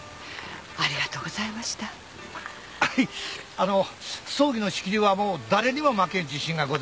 あの葬儀の仕切りはもう誰にも負けん自信がございますんで。